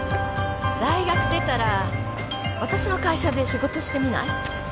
大学出たら私の会社で仕事してみない？